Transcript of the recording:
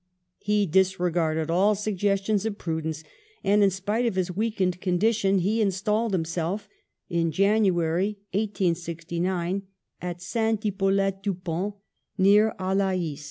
He disregarded all suggestions of prudence, and, in spite of his weakened con dition, he installed himself, in January, 1869, at Saint Hippolyte du Pont, near Alais.